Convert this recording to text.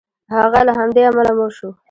هغه له همدې امله مړ شو.